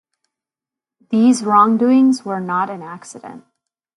These wrongdoings were not an accident.